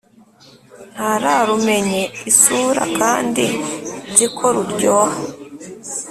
Ntararumenye isura Kandi nzi ko ruryoha